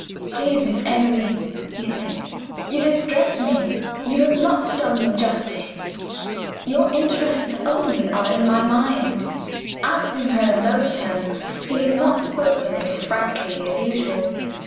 "Dear Miss Emily," he said, "you distress me: you have not done me justice. Your interests only are in my mind." Answering her in those terms, he had not spoken as frankly as usual.